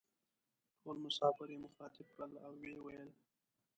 ټول مسافر یې مخاطب کړل او وې ویل: